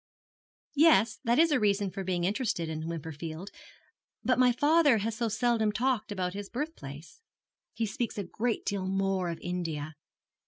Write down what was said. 'Yes, that is a reason for being interested in Wimperfield. But my father has so seldom talked about his birthplace. He speaks a great deal more of India.